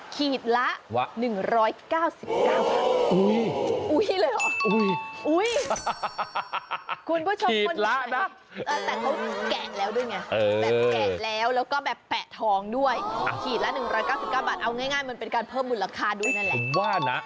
ขีดละ๑๙๙บาทอุ้ยคุณผู้ชมมันขายแล้วก็แปะทองด้วยขีดละ๑๙๙บาทเอาง่ายมันเป็นการเพิ่มมูลค่าด้วยนั่นแหละ